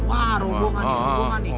wah rombongan nih rombongan nih